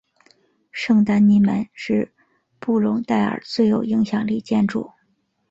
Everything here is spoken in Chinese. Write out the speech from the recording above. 圣丹尼门是布隆代尔最有影响力建筑。